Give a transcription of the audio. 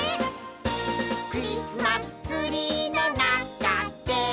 「クリスマスツリーの中で」